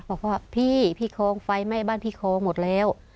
บอกว่าพี่พี่คลองไฟไหม้บ้านพี่คลองหมดแล้ว